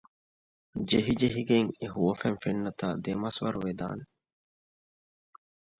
ޖެހިޖެހިގެން އެހުވަފެން ފެންނަތާ ދެމަސްވަރުވެދާނެ